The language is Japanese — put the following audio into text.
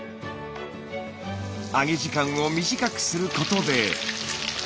揚げ時間を短くすることで。